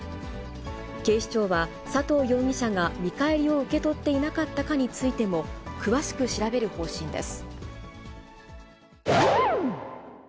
警視庁は、佐藤容疑者が見返りを受け取っていなかったかについても、詳しく調べる方針です。